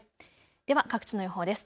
では各地の予報です。